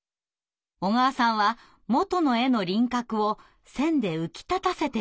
小川さんは元の絵の輪郭を線で浮き立たせて表現しました。